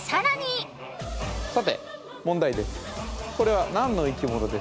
さて問題です。